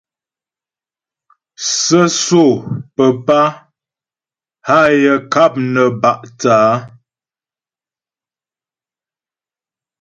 Sə́sô papá hâ yaə ŋkáp nə bá' thə̂ á.